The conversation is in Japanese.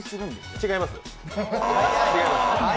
違います！